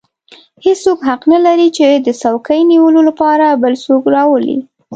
هېڅوک حق نه لري چې د څوکۍ نیولو لپاره بل څوک راولي.